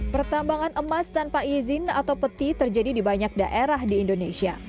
pertambangan emas tanpa izin atau peti terjadi di banyak daerah di indonesia